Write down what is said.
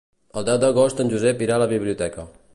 El deu d'agost en Josep irà a la biblioteca.